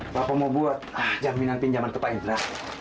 bapak mau buat jaminan pinjaman ke pak indra